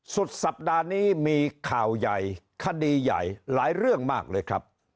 สุดสัปดาห์นี้มีข่าวใหญ่คดีใหญ่หลายเรื่องมากเลยครับ